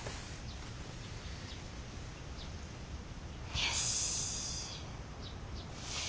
よし。